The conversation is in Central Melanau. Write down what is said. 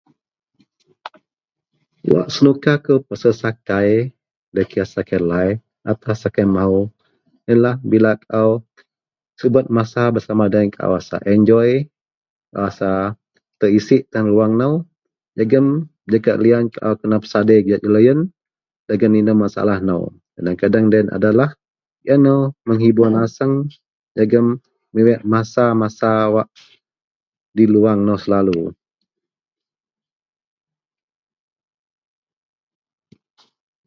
Wak senuka kou pasel sakai, nda kira sakai lai ataukah sakai mahou, yenlah bila kaau subet masa bersama deloyen kawak, rasa injoi, rasa terisi tan ruwang nouj jegem jakak liyan kaau kena pesadei gak deloyen dagen inou masalah nou. Kadeng-kadeng deloyen adalah [unintelligible] menghibuor naseng, jegem miweak masa-masa di luang nou selalu